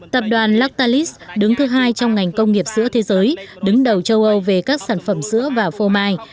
tập đoàn latalys đứng thứ hai trong ngành công nghiệp sữa thế giới đứng đầu châu âu về các sản phẩm sữa và phô mai